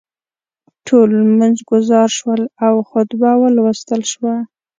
ټول لمونځ ګزار شول او خطبه ولوستل شوه.